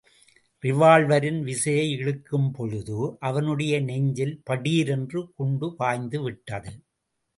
ரிவால்வரின் விசையை இழுக்கும்போழுது, அவனுடைய நெஞ்சில் படீரென்று குண்டு பாய்ந்து விட்டது.